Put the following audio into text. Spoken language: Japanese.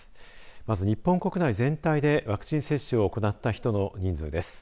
まず、日本国内全体でワクチン接種を行った人の人数です。